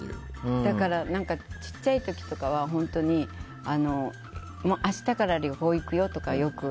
だから、小さい時とかは明日から旅行行くよとかよく。